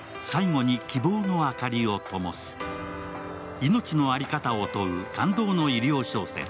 命の在り方を問う感動の医療小説